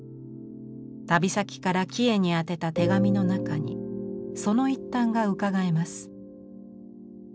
旅先からキヱに宛てた手紙の中にその一端がうかがえます。